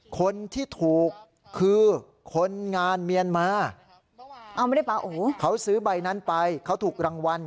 คนที่ถูกคือคนงานเมียนมาเขาซื้อใบนั้นไปเขาถูกรางวัล